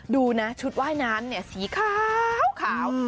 ดูนะชุดว่ายน้ำสีขาว